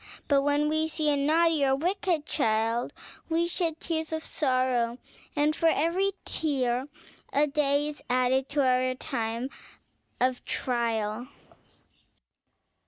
But when we see a naughty or a wicked child, we shed tears of sorrow, and for every tear a day is added to our time of trial!"